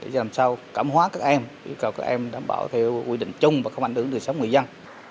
để làm sao cảm hóa các em yêu cầu các em đảm bảo theo quy định chung và không ảnh hưởng đến sống người dân